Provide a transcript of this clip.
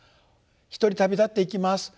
「独り旅立っていきます。